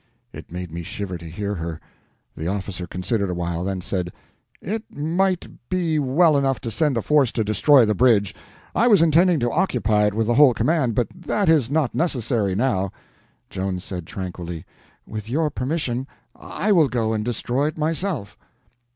It made me shiver to hear her. The officer considered awhile, then said: "It might be well enough to send a force to destroy the bridge. I was intending to occupy it with the whole command, but that is not necessary now." Joan said, tranquilly: "With your permission, I will go and destroy it myself."